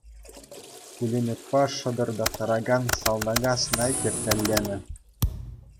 Пулеметпа шатӑртаттаракан салтака снайпер тӗлленӗ.